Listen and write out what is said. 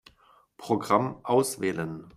Programm auswählen.